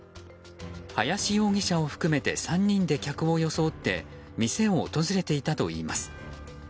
林容疑者を含めて３人で客を装って店を訪れていたといいます。